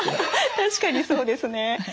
確かにそうですね。